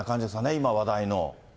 今、話題の。